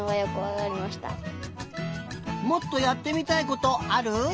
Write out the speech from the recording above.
もっとやってみたいことある？